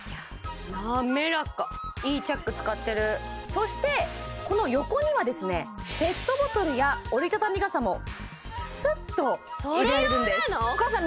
滑らかいいチャック使ってるそしてこの横にはですねペットボトルや折り畳み傘もスッと入れられるんですそれ用なの！？